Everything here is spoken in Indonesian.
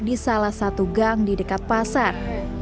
di salah satu gang di dekat pasar